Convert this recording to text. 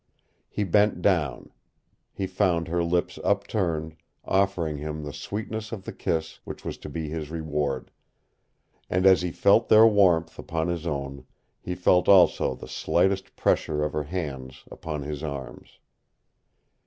He bent down. He found her lips upturned, offering him the sweetness of the kiss which was to be his reward; and as he felt their warmth upon his own, he felt also the slightest pressure of her hands upon his arms.